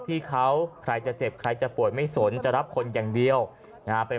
ที่เขาใครจะเจ็บใครจะป่วยไม่สนจะรับคนอย่างเดียวนะฮะเป็น